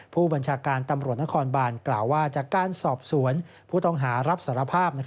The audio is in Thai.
ผู้บัญชาการตำรวจนครบานกล่าวว่าจากการสอบสวนผู้ต้องหารับสารภาพ